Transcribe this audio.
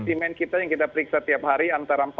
demand kita yang kita periksa tiap hari antara